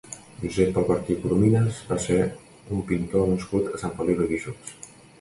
Josep Albertí i Corominas va ser un pintor nascut a Sant Feliu de Guíxols.